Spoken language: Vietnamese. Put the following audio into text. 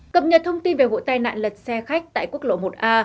cập nhật thông tin về vụ tai nạn lật xe khách tại quốc lộ một a